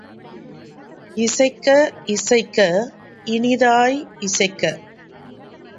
இசைக்க இசைக்க இனியதாய் இசைக்க!.